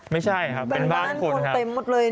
ไม่ใช่ครับเป็นบ้านคนเต็มหมดเลย